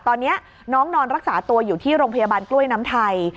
ตอนนี้น้องนอนรักษาตัวอยู่ที่โรงพยาบาลกล้วยน้ำไทย